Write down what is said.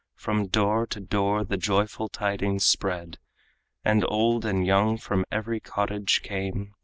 From door to door the joyful tidings spread, And old and young from every cottage came.